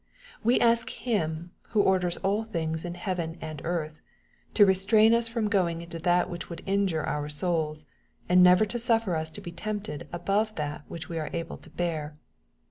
We ask Him, who orders all things in heaven and earth, to restrain us from going into that which would injure our souls, and never to suffer us to be tempted above that which we are able to bear.